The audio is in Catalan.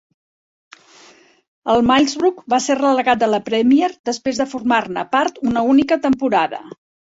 El Middlesbrough va ser relegat de la Premier després de formar-ne part una única temporada.